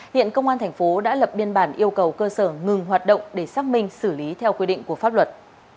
hiện công an thành phố đã lập biên bản yêu cầu cơ sở ngừng hoạt động để xác minh xử lý theo quy định của pháp luật